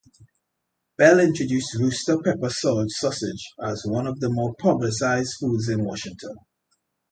Bell introduced rooster pepper sausage as one of the more publicized foods in Washington.